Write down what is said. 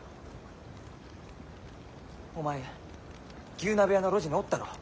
牛鍋屋の路地におったろう？